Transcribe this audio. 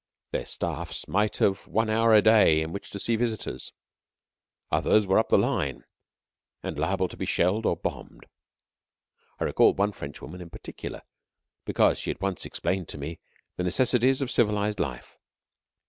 (Their staffs might have one hour a day in which to see visitors.) Others were up the line, and liable to be shelled or bombed. I recalled one Frenchwoman in particular, because she had once explained to me the necessities of civilized life.